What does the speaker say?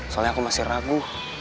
soalnya aku masih ragu